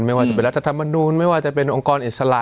ไม่ว่าจะเป็นรัฐธรรมนูลไม่ว่าจะเป็นองค์กรอิสระ